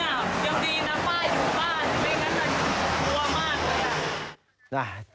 ยังดีนะป้าอยู่บ้านไม่งั้นมันกลัวมากเลย